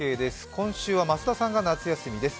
今週は増田さんが夏休みです。